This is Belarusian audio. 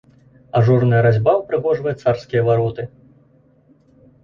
Ажурная разьба ўпрыгожвае царскія вароты.